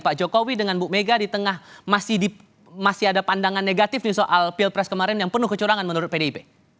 pak jokowi dengan bu mega di tengah masih ada pandangan negatif nih soal pilpres kemarin yang penuh kecurangan menurut pdip